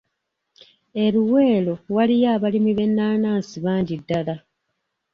E Luweero waliyo abalimi b’ennaanansi bangi ddala.